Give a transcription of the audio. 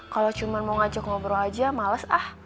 kalau cuma mau ngajak ngobrol aja males ah